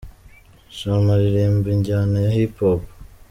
Charmant aririmba injyana ya Hip Hop.